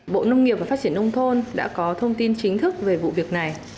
bộ nông nghiệp và phát triển nông thôn đã có thông tin chính thức về vụ việc này